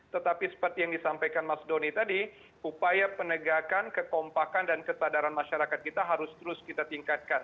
tetapi seperti yang disampaikan mas doni tadi upaya penegakan kekompakan dan kesadaran masyarakat kita harus terus kita tingkatkan